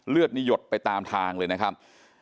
เลือดนี่หยดไปตามทางเลยนะครับ